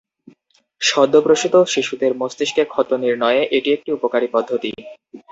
সদ্য প্রসূত শিশুদের মস্তিষ্কের ক্ষত নির্ণয়ে এটি একটি উপকারি পদ্ধতি।